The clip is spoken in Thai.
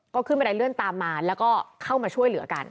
ก็ขึ้นบันไดเลื่อนตามมาแล้วก็เข้ามาช่วยเหลือกัน